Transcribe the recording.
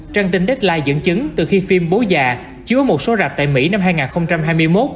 trang tin deadline dẫn chứng từ khi phim bố già chứa một số rạp tại mỹ năm hai nghìn hai mươi một